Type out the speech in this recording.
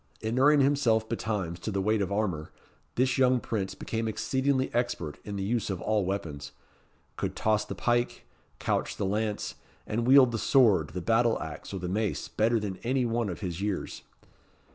Inuring himself betimes to the weight of armour, this young prince became exceedingly expert in the use of all weapons could toss the pike, couch the lance, and wield the sword, the battle axe, or the mace, better than any one of his years.